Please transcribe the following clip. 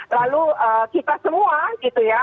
lalu kita semua gitu ya